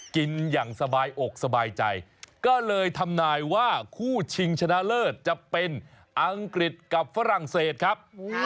กินอย่างสบายอกสบายใจก็เลยทำนายว่าคู่ชิงชนะเลิศจะเป็นอังกฤษกับฝรั่งเศสครับ